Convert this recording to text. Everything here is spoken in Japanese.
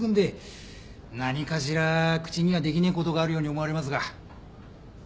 何かしら口にはできねえことがあるように思われますが。